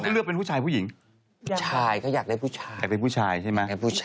สรุปท้องแล้วใช่ไหม